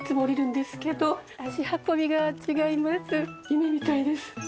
夢みたいです。